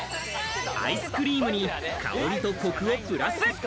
アイスクリームに香りとコクをプラス。